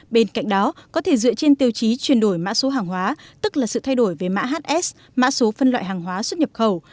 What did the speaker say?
bên cạnh đó có thể dựa trên tiêu chí chuyển đổi mã số hàng hóa tức là sự thay đổi về mã hs mã số phân loại hàng hóa xuất nhập khẩu